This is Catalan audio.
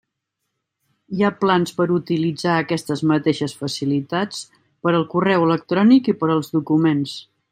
Hi ha plans per utilitzar aquestes mateixes facilitats per al correu electrònic i per als documents.